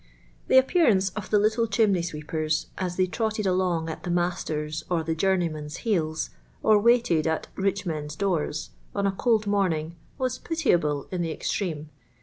Tho appearance of the little children sweepers, as they trotted along at the master's or tlie journey man's heels, or waited at rich men's doors" on a old morninir, was pitiable in the extreme.